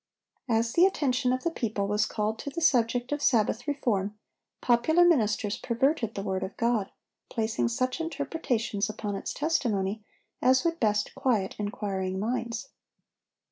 As the attention of the people was called to the subject of Sabbath reform, popular ministers perverted the word of God, placing such interpretations upon its testimony as would best quiet inquiring minds.